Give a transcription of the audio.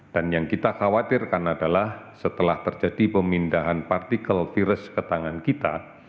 dan yang kita khawatirkan adalah setelah terjadi pemindahan partikel virus ke tangan kita